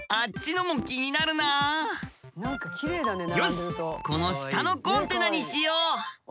よしこの下のコンテナにしよう！